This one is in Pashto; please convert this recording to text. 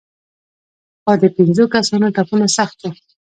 خو د پېنځو کسانو ټپونه سخت وو.